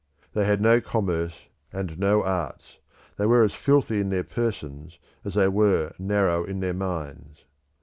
They had no commerce and no arts; they were as filthy in their persons as they were narrow in their minds.